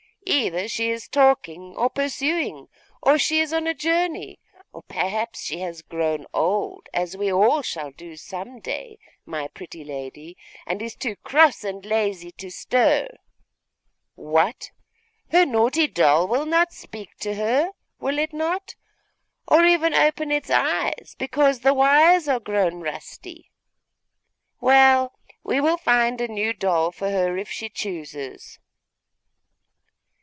Either she is talking, or pursuing, or she is on a journey; or perhaps she has grown old, as we all shall do some day, my pretty lady, and is too cross and lazy to stir. What! her naughty doll will not speak to her, will it not? or even open its eyes, because the wires are grown rusty? Well, we will find a new doll for her, if she chooses.